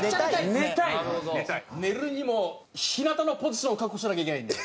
寝るにも日なたのポジションを確保しなきゃいけないんで。